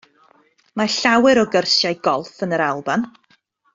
Mae llawer o gyrsiau golff yn yr Alban.